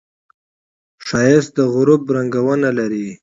ښایست د غروب رنګونه لري